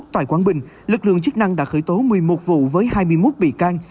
tại quảng bình lực lượng chức năng đã khởi tố một mươi một vụ với hai mươi một bị can